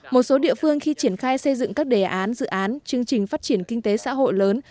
một số địa phương khi triển khai xây dựng các đề án dự án chương trình phát triển kinh tế xã hội lớn